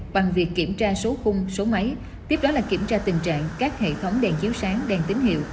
bằng việc kiểm tra số khung số máy tiếp đó là kiểm tra tình trạng các hệ thống đèn chiếu sáng đèn tín hiệu